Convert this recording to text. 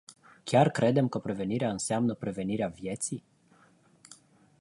Chiar credem că prevenirea înseamnă prevenirea vieții?